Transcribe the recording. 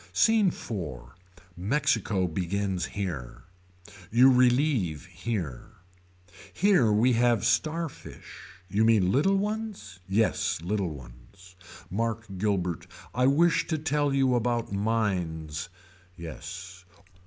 SCENE IV. Mexico begins here. You relieve here. Here we have star fish. You mean little ones. Yes little ones. Mark Gilbert. I wish to tell you about mines. Yes.